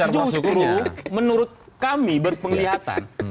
justru menurut kami berpenglihatan